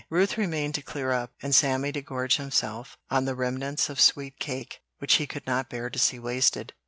Ruth remained to clear up, and Sammy to gorge himself on the remnants of "sweet cake" which he could not bear to see wasted.